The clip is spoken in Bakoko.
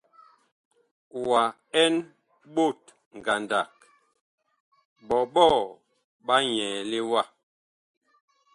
Wa ɛn ɓot ngandag, ɓɔɓɔɔ ɓa nyɛɛle wa ?